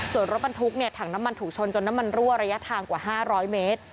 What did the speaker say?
ส่วนรถบรรทุกเนี่ยถังน้ำมันถูกชนจนน้ำมันรั่วระยะทางกว่า๕๐๐เมตร